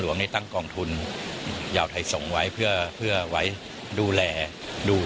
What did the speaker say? ตั้งกองทุนยาวไทยส่งไว้เพื่อไว้ดูแลดู